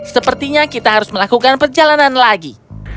sepertinya kita harus melakukan perjalanan lagi